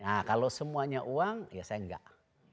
nah kalau semuanya uang ya saya enggak